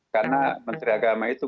karena menteri agama itu